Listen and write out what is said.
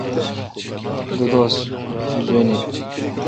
دو دوس جواین۔